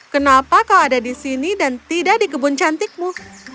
kenapa kau ada di sini dan tidak di kebun cantikmu